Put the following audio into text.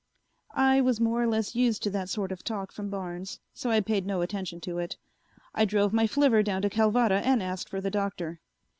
I was more or less used to that sort of talk from Barnes so I paid no attention to it. I drove my flivver down to Calvada and asked for the Doctor.